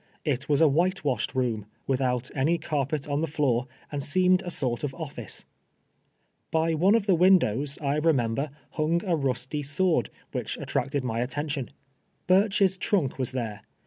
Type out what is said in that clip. It was a white washed room, without any carpet on the floor, and seemed a sort of office. By one of the v.dndows, I remember, hung a rusty sword, Vi'hich attracted my attention. Burch's trunk was there.